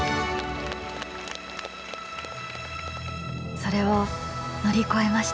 それを乗り越えました。